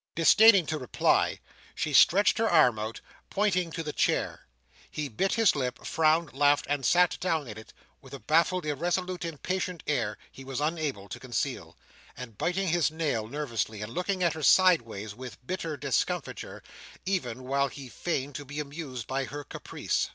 Disdaining to reply, she stretched her arm out, pointing to the chair. He bit his lip, frowned, laughed, and sat down in it, with a baffled, irresolute, impatient air, he was unable to conceal; and biting his nail nervously, and looking at her sideways, with bitter discomfiture, even while he feigned to be amused by her caprice.